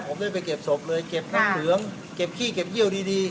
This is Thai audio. ผมไม่ได้ไปเก็บศพเลยเก็บน้ำเหลืองเก็บขี้เก็บเยี่ยวดี